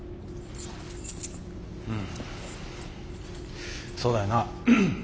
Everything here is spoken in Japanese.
うんそうだよな。